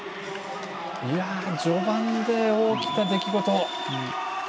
序盤で大きな出来事。